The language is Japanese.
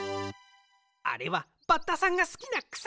あれはバッタさんがすきなくさ。